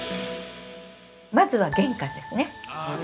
まずは玄関ですね。